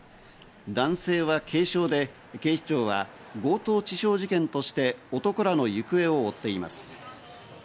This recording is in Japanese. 男性は軽傷で、警視庁は強盗致傷事件として男らの行方を追っています。